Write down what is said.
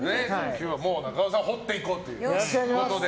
今日は中尾さんを掘っていこうということで。